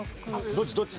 どっち？